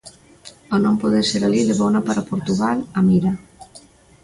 Ao non poder ser alí, levouna para Portugal, a Mira.